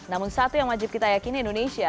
namun satu yang wajib kita yakini indonesia